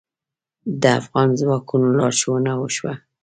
د افغان ځواکونو لارښوونه وشوه.